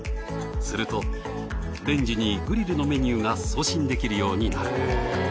するとレンジにグリルのメニューが送信できるようになる。